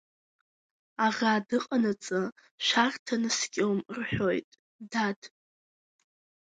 Аӷа дыҟанаҵы шәарҭа наскьом рҳәоит, дад!